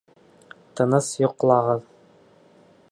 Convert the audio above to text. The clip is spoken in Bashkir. Тыныс йоҡлағыҙ!